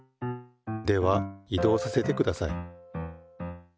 では移動させてください。